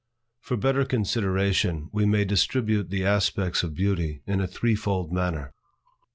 For better consideration, we may distribute the aspects of Beauty in a threefold manner.